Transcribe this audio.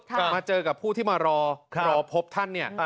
กลับมาเจอกับผู้ที่มารอพบท่าน